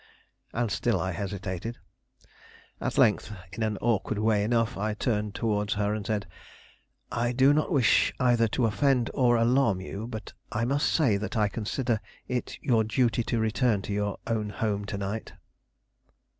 And still I hesitated. At length, in an awkward way enough, I turned towards her and said: "I do not wish either to offend or alarm you, but I must say that I consider it your duty to return to your own home to night."